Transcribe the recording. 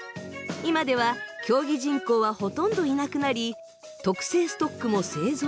今では競技人口はほとんどいなくなり特製ストックも製造終了。